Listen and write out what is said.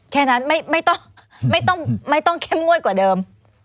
แค่นั้นไม่ต้องแค่ง่วยกว่าเดิม